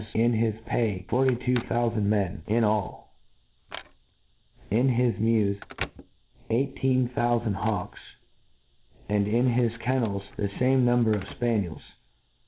in his pay forty two thoufand men in al l ■ i n bis mews eighteen thou£md hawks— «— and in his kennels the £ime number of fpaniels.